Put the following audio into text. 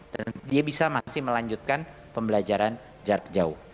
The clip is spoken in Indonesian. dan dia bisa masih melanjutkan pembelajaran jarak jauh